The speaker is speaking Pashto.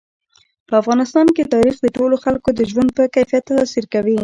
په افغانستان کې تاریخ د ټولو خلکو د ژوند په کیفیت تاثیر کوي.